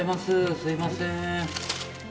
すいません。